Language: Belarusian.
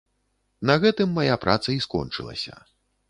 На гэтым мая праца і скончылася.